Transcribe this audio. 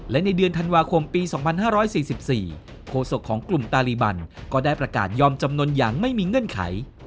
และในเดือนธันวาคมปี๒๕๔๔โฆษกของกลุ่มตาลีบันก็ได้ประกาศยอมจำนวนอย่างไม่มีเงื่อนไข